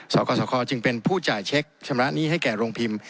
สกสคจึงเป็นผู้จ่ายเช็คชำระหนี้ให้แก่โรงพิมพ์